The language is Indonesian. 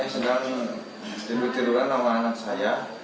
saya sedang tidur tiduran sama anak saya